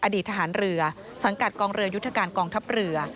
อดีตทหารเรือสังกัดกองเรือยุทธการกองทัพเรือ